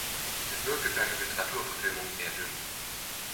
Es wirke für eine Literaturverfilmung eher dünn.